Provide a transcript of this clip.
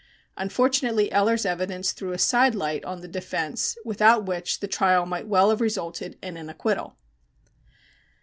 Unfortunately Eller's evidence threw a side light on the defence without which the trial might well have resulted in an acquittal.